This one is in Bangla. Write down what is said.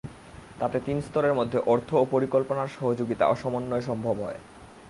তাতে তিন স্তরের মধ্যে অর্থ ও পরিকল্পনার সহযোগিতা ও সমন্বয় সম্ভব হয়।